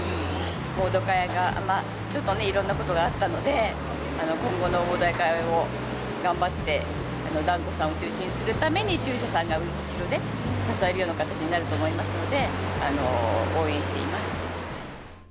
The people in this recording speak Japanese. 澤瀉屋がちょっとね、いろんなことがあったので、今後の澤瀉屋を、頑張って、團子さんを中心にするために、中車さんが後ろで支えるような形になると思いますので、応援しています。